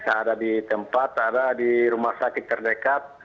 ada di tempat ada di rumah sakit terdekat